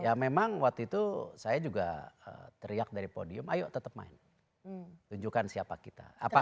ya memang waktu itu saya juga teriak dari podium ayo tetap main tunjukkan siapa kita